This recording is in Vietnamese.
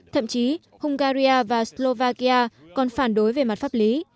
thậm chí hungarya và slovakia còn phản đối về mặt pháp lý